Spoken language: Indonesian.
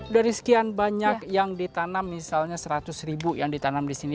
dari sekian banyak yang ditanam misalnya seratus ribu yang ditanam di sini